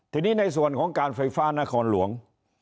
ทีนี้ในส่วนของการไฟฟ้านครหลวง